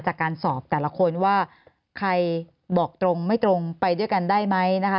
จากการสอบแต่ละคนว่าใครบอกตรงไม่ตรงไปด้วยกันได้ไหมนะคะ